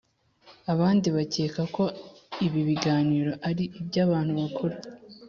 abandi bakeka ko ibi biganiro ari iby’abantu bakuru,